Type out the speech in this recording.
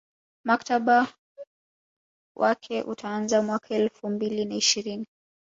mkataba wake utaanza mwaka elfu mbili na ishirini